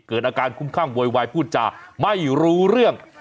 เกิดอาการคุ้มข้างโวยวายพูดจาไม่รู้เรื่อง